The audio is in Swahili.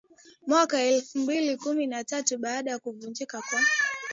mwaka elfu mbili kumi na tatu baada ya kuvunjika kwa